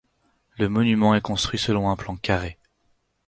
Le monument est construit selon un plan carré.